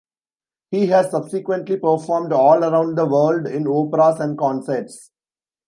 He has subsequently performed all around the world in operas and concerts.